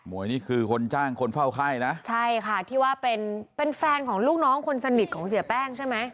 วยนี่คือคนจ้างคนเฝ้าไข้นะใช่ค่ะที่ว่าเป็นเป็นแฟนของลูกน้องคนสนิทของเสียแป้งใช่ไหม